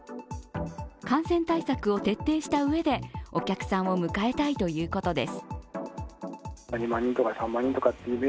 感染対策を徹底したうえでお客さんを迎えたいということです。